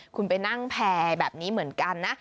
คุณไปนั่งแพร่แบบนี้เหมือนกันนะ